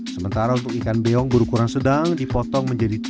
sementara untuk ikan beong yang diolah